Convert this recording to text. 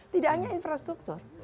tidak hanya infrastruktur